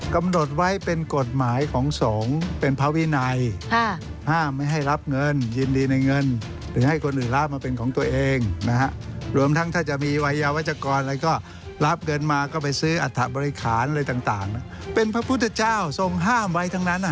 กำหนดไว้เป็นกฎหมายของสงฆ์เป็นพระวินัยห้ามไม่ให้รับเงินยินดีในเงินหรือให้คนอื่นรับมาเป็นของตัวเองนะฮะรวมทั้งถ้าจะมีวัยยาวัชกรอะไรก็รับเงินมาก็ไปซื้ออัฐบริหารอะไรต่างเป็นพระพุทธเจ้าทรงห้ามไว้ทั้งนั้น